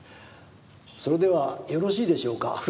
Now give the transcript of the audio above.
それではよろしいでしょうか？